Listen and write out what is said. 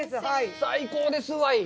最高ですわい！